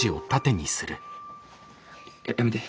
やめて。